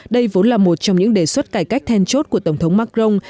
đây vốn là một trong những đề xuất cải cách then chốt của tổng thống macron